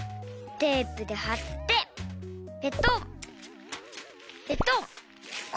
テープではってペトッペトッ。